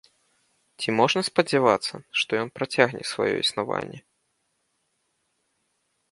Ці можна спадзявацца, што ён працягне сваё існаванне?